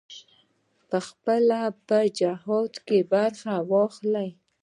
پخپله په جهاد کې برخه واخله.